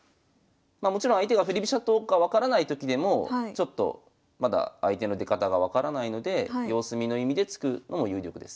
もちろん相手が振り飛車党か分からないときでもまだ相手の出方が分からないので様子見の意味で突くのも有力です。